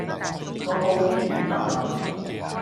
個布甸軟腍腍